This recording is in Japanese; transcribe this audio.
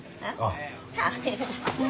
あ。